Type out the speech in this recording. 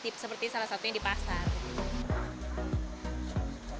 jadi kita bisa mencoba menu ini di pasar